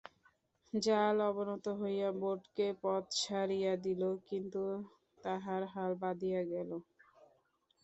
জাল অবনত হইয়া বোটকে পথ ছাড়িয়া দিল, কিন্তু তাহার হাল বাধিয়া গেল।